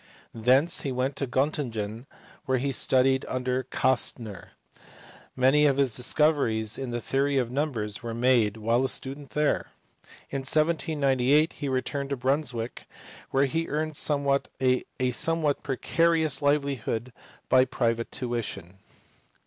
Thence he went to Gottingen, where he studied under Kastner : many of his discoveries in the theory of num bers were made while a student here. In 1798 he returned to Brunswick, where he earned a somewhat precarious liveli hood by private tuition.